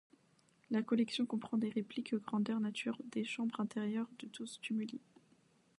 La collection comprend des répliques grandeur nature des chambres intérieures de douze tumuli.